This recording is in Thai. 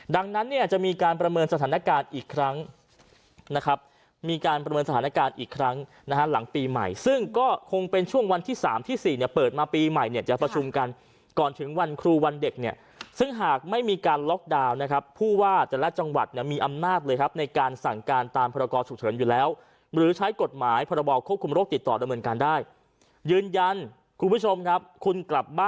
ดังนั้นเนี่ยจะมีการประเมินสถานการณ์อีกครั้งนะครับมีการประเมินสถานการณ์อีกครั้งนะครับหลังปีใหม่ซึ่งก็คงเป็นช่วงวันที่๓ที่๔เนี่ยเปิดมาปีใหม่เนี่ยจะประชุมกันก่อนถึงวันครูวันเด็กเนี่ยซึ่งหากไม่มีการล็อกดาวน์นะครับผู้ว่าแต่ละจังหวัดเนี่ยมีอำนาจเลยครับในการสั่งการตามภารกรสุข